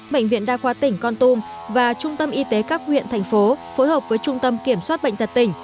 bệnh viện đa khoa tỉnh con tum và trung tâm y tế các huyện thành phố phối hợp với trung tâm kiểm soát bệnh tật tỉnh